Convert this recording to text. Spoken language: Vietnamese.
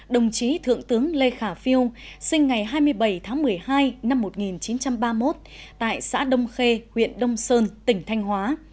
đồng chí thượng tướng lê khả phiêu sinh ngày hai mươi bảy tháng một mươi hai năm một nghìn chín trăm ba mươi một tại xã đông khê huyện đông sơn tỉnh thanh hóa